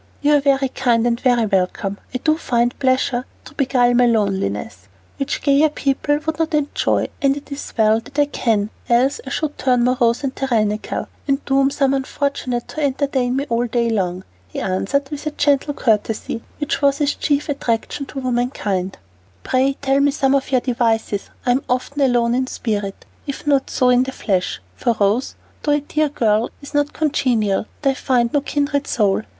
"You are very kind and very welcome. I do find pleasures to beguile my loneliness, which gayer people would not enjoy, and it is well that I can, else I should turn morose and tyrannical, and doom some unfortunate to entertain me all day long." He answered with a gentle courtesy which was his chief attraction to womankind. "Pray tell me some of your devices, I'm often alone in spirit, if not so in the flesh, for Rose, though a dear girl, is not congenial, and I find no kindred soul."